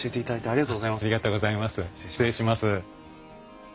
ありがとうございます。